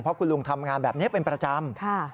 เพราะคุณลุงทำงานแบบนี้เป็นประจำ